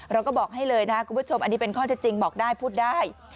เราก็บอกให้เลยนะคุณผู้ชมอันนี้เป็นข้อเท็จจริงบอกได้พูดได้